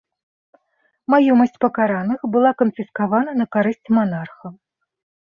Маёмасць пакараных была канфіскавана на карысць манарха.